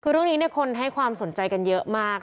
คือเรื่องนี้คนให้ความสนใจกันเยอะมาก